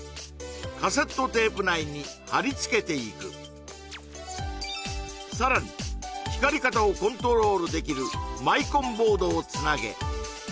カセットテープ内に貼り付けていくさらに光り方をコントロールできるマイコンボードをつなげ